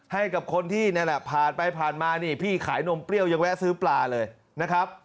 ให้กับคนที่นั่นแหละผ่านไปผ่านมานี่พี่ขายนมเปรี้ยวยังแวะซื้อปลาเลยนะครับ